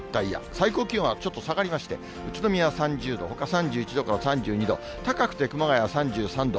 最高気温はちょっと下がりまして、宇都宮３０度、ほか３１度から３２度、高くて熊谷３３度。